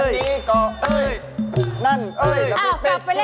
อย่างนั้นก็เอ๊ยและอย่างนั้นนั่นเลย